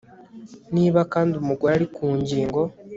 Niba kandi umugore ari ku ngingo